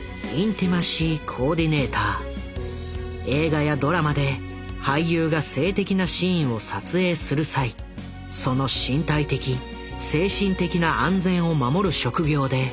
映画やドラマで俳優が性的なシーンを撮影する際その身体的精神的な安全を守る職業で＃